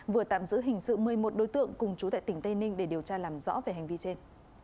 vừa tạm giữ hình sự một mươi một đối tượng cùng chú tại tỉnh tây ninh để điều tra làm rõ về hành vi trên